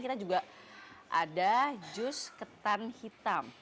kita juga ada jus ketan hitam